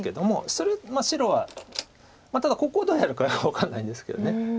白はただここをどうやるか分かんないんですけど。